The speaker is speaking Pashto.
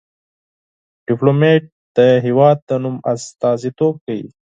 ډيپلومات د هېواد د نوم استازیتوب کوي.